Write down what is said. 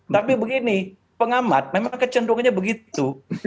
tapi begini pengamat memang kecenderungannya begitu